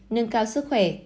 nâng cao sức khỏe